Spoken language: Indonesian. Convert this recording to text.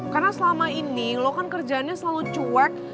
karena selama ini lo kan kerjaannya selalu cuek